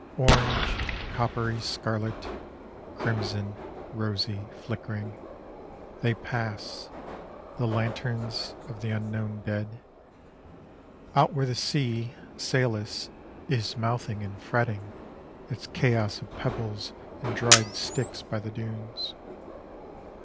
Orange, coppery, scarlet, Crimson, rosy, flickering, They pass, the lanterns Of the unknown dead. Out where the sea, sailless, Is mouthing and fretting Its chaos of pebbles and dried sticks by the dunes.